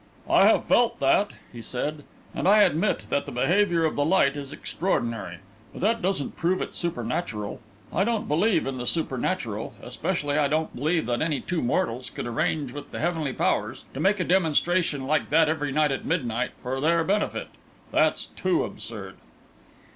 "I have felt that," he said, "and I admit that the behaviour of the light is extraordinary. But that doesn't prove it supernatural. I don't believe in the supernatural. Especially I don't believe that any two mortals could arrange with the heavenly powers to make a demonstration like that every night at midnight for their benefit. That's too absurd!"